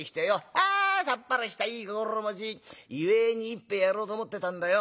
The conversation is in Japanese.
あさっぱりしたいい心持ち祝いに一杯やろうと思ってたんだよ。